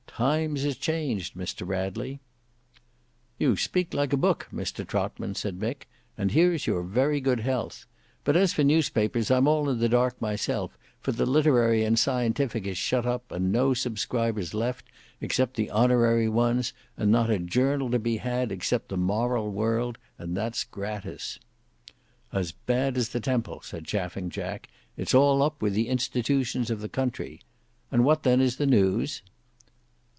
Times is changed, Mr Radley." "You speak like a book, Mr Trotman," said Mick, "and here's your very good health. But as for newspapers, I'm all in the dark myself, for the Literary and Scientific is shut up, and no subscribers left, except the honorary ones, and not a journal to be had except the Moral World and that's gratis." "As bad as the Temple," said Chaffing Jack, "it's all up with the institutions of the country. And what then is the news?"